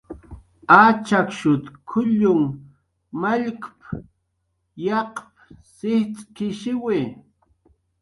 "Achakshut k""ullun mallkp"" yaqp"" sijcx'k""ishiwi."